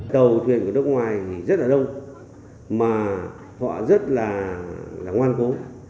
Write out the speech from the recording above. tàu thuyền của nước ngoài thì rất là đông mà họ rất là ngoan cố